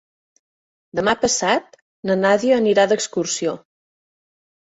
Demà passat na Nàdia anirà d'excursió.